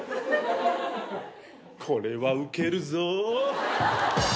これはウケるぞ！